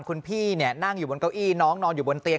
คุณพี่นั่งอยู่บนเก้าอี้น้องนอนอยู่บนเตียง